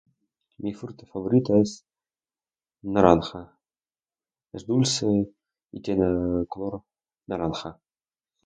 Mi fruta favorita es naranja, es dulce y tiene color naranja.